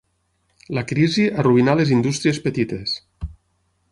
La crisi arruïnà les indústries petites.